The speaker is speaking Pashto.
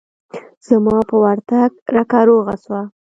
زما په ورتگ رکه روغه سوه.